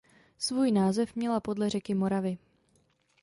Svůj název měla podle řeky Moravy.